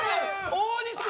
大西君！